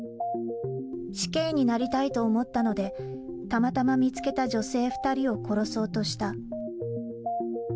死刑になりたいと思ったので、たまたま見つけた女性２人を殺そうとした。